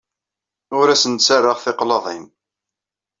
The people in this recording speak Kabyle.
Ur asen-ttarraɣ tiqlaḍin.